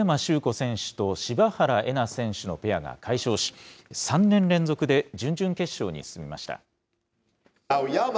選手と柴原瑛菜選手のペアが快勝し、３年連続で準々決勝に進みました。